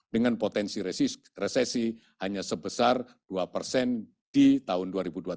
dengan potensi resesi hanya sebesar dua persen di tahun dua ribu dua puluh tiga